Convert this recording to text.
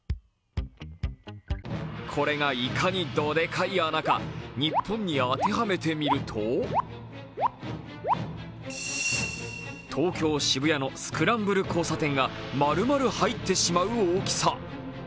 これがいかにどでかい穴か、日本に当てはめてみると、東京・渋谷のスクランブル交差点がまるまる入ってしまう大きさ。